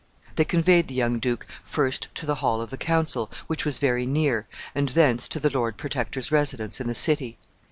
They conveyed the young duke first to the hall of the council, which was very near, and thence to the Lord Protector's residence in the city.